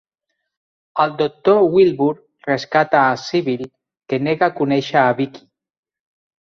El doctor Wilbur rescata a Sybil, que nega conèixer a Vickie.